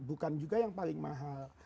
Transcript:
bukan juga yang paling mahal